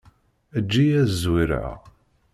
Eǧǧ-iyi ad zwireɣ.